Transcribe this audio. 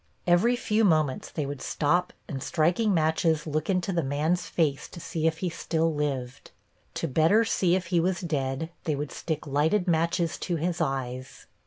Every few moments they would stop and striking matches look into the man's face to see if he still lived. To better see if he was dead they would stick lighted matches to his eyes.